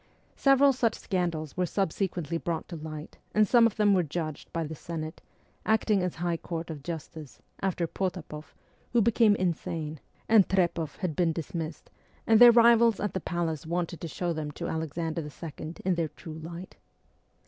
Several such scandals were subsequently brought to light and some of them were judged by the Senate, acting as high court of justice, after Potapoff, who became insane, and Trepoff had been dismissed, and their rivals at the palace wanted to show them to Alexander II. in their true light.